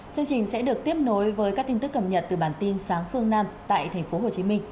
chương trình sẽ được tiếp nối với các tin tức cập nhật từ bản tin sáng phương nam tại tp hcm